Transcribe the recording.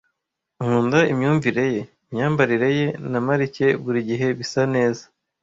Nkunda imyumvire ye. Imyambarire ye na marike buri gihe bisa neza.